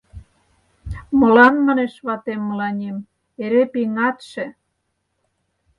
— Молан, — манеш ватем мыланем, — эре пеҥатше?